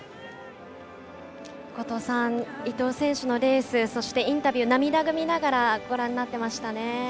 後藤さん伊藤選手のレースそしてインタビュー涙ぐみながらご覧になっていましたね。